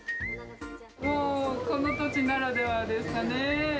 もうこの土地ならではですかね。